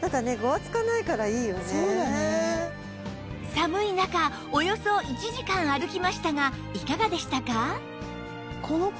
寒い中およそ１時間歩きましたがいかがでしたか？